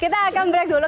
kita akan break dulu